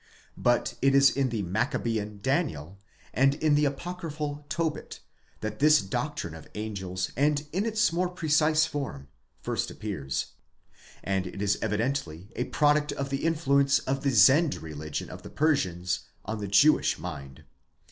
But it is in the Maccabzan Daniel® and in the apocryphal Tobit,' that this doctrine of angels, in its more precise form, first appears; apd it is evidently a product of the influence of the Zend religion of the Persians on the Jewish mind.